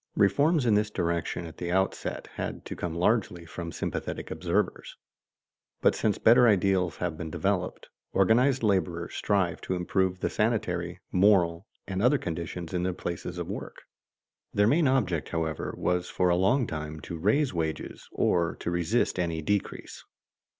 Reforms in this direction at the outset had to come largely from sympathetic observers. But since better ideals have been developed, organized laborers strive to improve the sanitary, moral, and other conditions in the places of work. Their main object, however, was for a long time to raise wages, or to resist any decrease.